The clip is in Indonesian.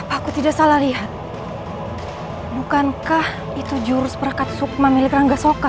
aku tidak salah lihat hai bukankah itu jurus perangkat sukma milik rangga soekar